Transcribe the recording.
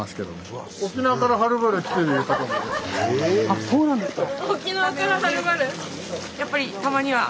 あっそうなんですか！